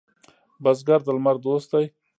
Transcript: بزګر د لمر دوست دی